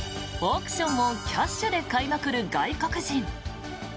億ションをキャッシュで買いまくる外国人。